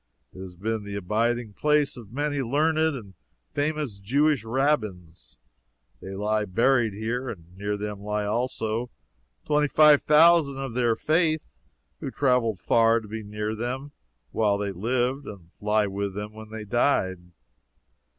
It has been the abiding place of many learned and famous Jewish rabbins. They lie buried here, and near them lie also twenty five thousand of their faith who traveled far to be near them while they lived and lie with them when they died.